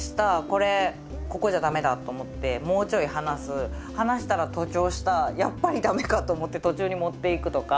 これここじゃ駄目だと思ってもうちょい放す放したら徒長したやっぱり駄目かと思って途中に持っていくとか。